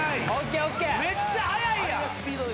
めっちゃ速いやん！